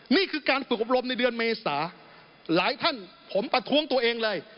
นี่คือการฝึกอบรมในเดือนเมษาหลายท่านผมประท้วงตัวเองเลย